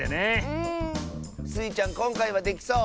うん。スイちゃんこんかいはできそう？